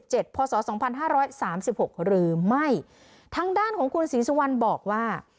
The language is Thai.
หรือไม่ทางด้านของคุณศรีสวรรค์บอกว่า